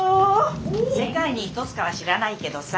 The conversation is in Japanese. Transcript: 世界に一つかは知らないけどさ。